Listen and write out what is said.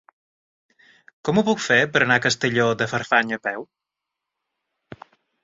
Com ho puc fer per anar a Castelló de Farfanya a peu?